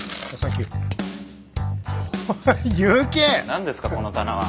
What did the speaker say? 何ですかこの棚は。